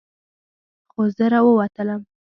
خو زه راووتلم.